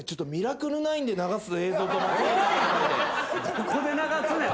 どこで流すねん。